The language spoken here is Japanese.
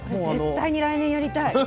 これ絶対に来年やりたい。